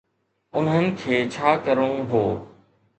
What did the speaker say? انهن کي ڇا ڪرڻو هو.